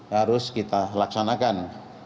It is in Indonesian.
harus kita laksanakan